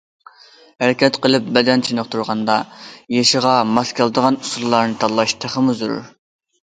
ھەرىكەت قىلىپ بەدەن چېنىقتۇرغاندا يېشىغا ماس كېلىدىغان ئۇسۇللارنى تاللاش تېخىمۇ زۆرۈر.